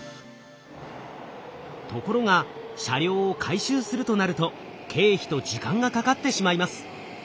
ところが車両を改修するとなると経費と時間がかかってしまいます。